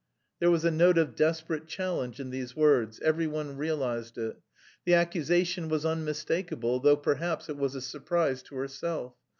There was a note of desperate challenge in these words every one realised it. The accusation was unmistakable, though perhaps it was a surprise to herself.